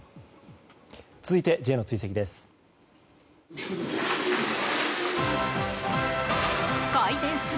続いてＪの追跡です。